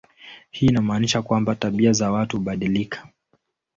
Hii inamaanisha kwamba tabia za watu hubadilika.